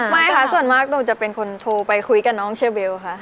ไม่ค่ะส่วนมากหนูจะเป็นคนโทรไปคุยกับน้องเชอเบลค่ะ